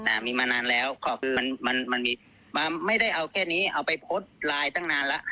แต่มีมานานแล้วก็คือมันมันมีไม่ได้เอาแค่นี้เอาไปโพสต์ไลน์ตั้งนานแล้ว